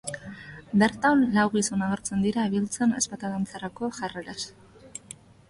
Bertan, lau gizon agertzen dira ibiltzen ezpata dantzarako jarreraz.